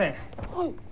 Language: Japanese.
はい！